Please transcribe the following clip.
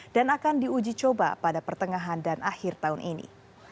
dan akan diuji coba pada pertengahan dan akhir tahun ini